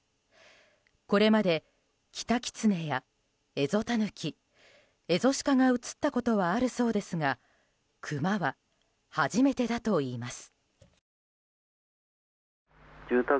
これまでキタキツネやエゾタヌキエゾシカが映ったことはあるそうですがクマは初めてだといいます。